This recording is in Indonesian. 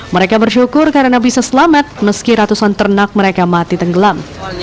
mereka bersyukur karena bisa selamat meski ratusan ternak mereka mati tenggelam